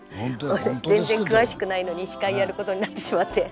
私、全然詳しくないのに司会をやることになってしまって。